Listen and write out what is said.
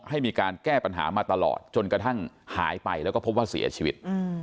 ให้มีการแก้ปัญหามาตลอดจนกระทั่งหายไปแล้วก็พบว่าเสียชีวิต